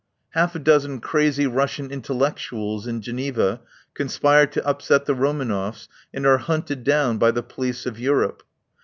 Half a dozen crazy Russian intellectuels in Geneva con spire to upset the Romanoffs and are hunted down by the police of Europe.